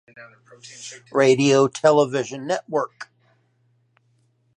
Radio Television Network.